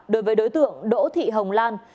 đối với đối tượng đỗ thị hồng lan